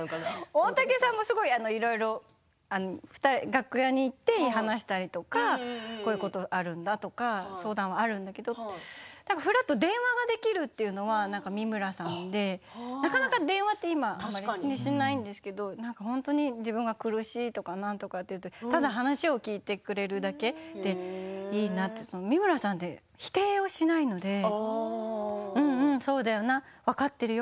大竹さんもすごいいろいろ楽屋に行って話したりとかこういう話があるんだとか相談はあるんだけどふらっと電話ができるというのは三村さんでなかなか電話って今しないんですけど自分が苦しいとかなんとか言うとただ話を聞いてくれるだけでいいなって三村さんって否定をしないのでそうだよな、分かっているよ。